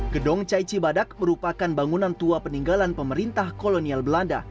gedong cai cibadak merupakan bangunan tua peninggalan pemerintah kolonial belanda